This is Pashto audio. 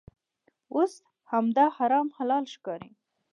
اوس همدا حرام حلال ښکاري.